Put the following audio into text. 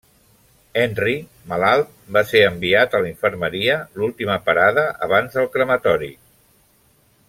Henry, malalt, va ser enviat a la infermeria, l'última parada abans del crematori.